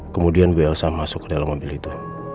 kemudian bu elsa masuk ke dalam mobil itu